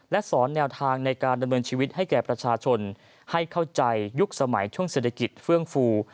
และสอนแนวทางในการดำเนินชีวิตให้แก่ประชาชนให้เข้าใจยุคสมัยช่วงเศรษฐกิจเฟื่องฟู